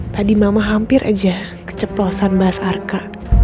tadi mama hampir aja keceplosan bas arka